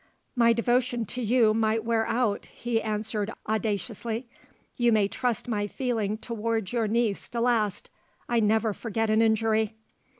"My devotion to you might wear out," he answered audaciously. "You may trust my feeling towards your niece to last I never forget an injury.